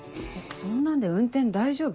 そんなんで運転大丈夫？